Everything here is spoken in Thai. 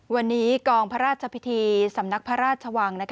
วันนี้กองพระราชพิธีสำนักพระราชวัง